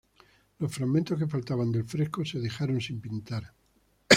Los fragmentos que faltaban del fresco, se dejaron sin pintar.